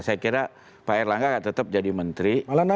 saya kira pak erlangga tetap jadi menteri